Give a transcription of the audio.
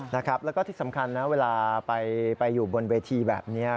แล้วก็ที่สำคัญนะเวลาไปอยู่บนเวทีแบบนี้